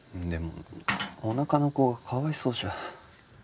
でもおなかの子がかわいそうじゃ。